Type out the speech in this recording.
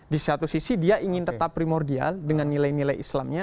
di satu sisi dia ingin tetap primordial dengan nilai nilai islamnya